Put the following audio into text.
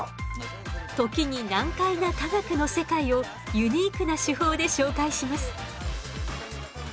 時に難解な科学の世界をユニークな手法で紹介します。